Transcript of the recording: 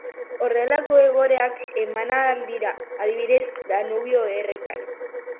Horrelako egoerak eman ahal dira, adibidez, Danubio errekan.